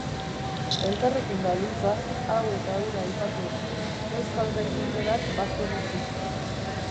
Elkarrekin gabiltza, hau eta hura aipatuz, euskal gai minberak bazter utziz.